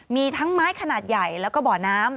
มีทั้งไม้ขนาดใหญ่แล้วก็บ่อน้ำ